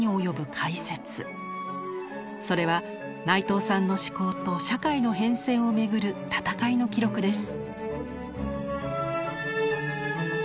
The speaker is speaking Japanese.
それは内藤さんの思考と社会の変遷をめぐる闘いの記録です。